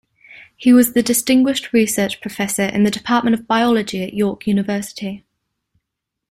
He was the Distinguished Research Professor in the Department of Biology at York University.